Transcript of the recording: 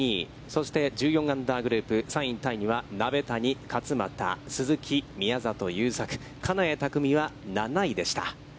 そして、１４アンダーグループ、３位タイには、鍋谷、勝俣、鈴木、宮里優作、金谷拓実は７位でした。